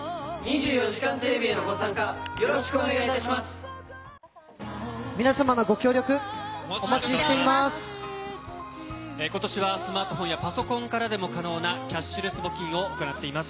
島津亜矢さん、ありがとうご皆様のご協力、お待ちしてい今年はスマートフォンやパソコンからでも可能なキャッシュレス募金を行っています。